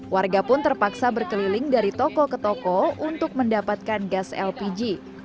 warga pun terpaksa berkeliling dari toko ke toko untuk mendapatkan gas lpg